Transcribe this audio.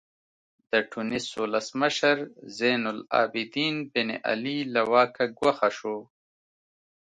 د ټونس ولسمشر زین العابدین بن علي له واکه ګوښه شو.